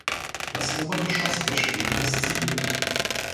Das Obergeschoss besteht aus Ziegeln.